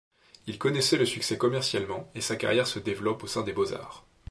Il connaissait le succès commercialement, et sa carrière se développe au sein des Beaux-Arts.